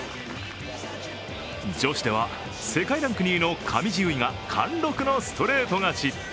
女子では世界ランク２位の上地結衣が貫禄のストレート勝ち。